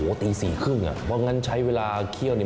โอ้โหตี๔๓๐น่ะเพราะงั้นใช้เวลาเที่ยวนี่